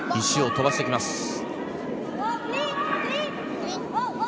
石を飛ばしてきます。